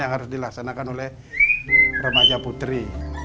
yang harus dilaksanakan oleh remaja putri